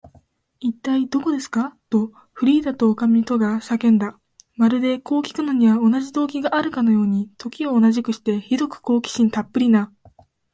「いったい、どこですか？」と、フリーダとおかみとが叫んだ。まるで、こうきくのには同じ動機があるかのように、時を同じくして、ひどく好奇心たっぷりな